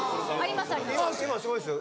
今すごいですよ